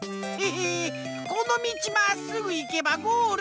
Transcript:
このみちまっすぐいけばゴールじゃん！